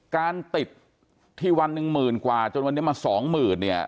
การติดที่วันหนึ่งหมื่นกว่าจนวันนี้มาสองหมื่นเนี่ย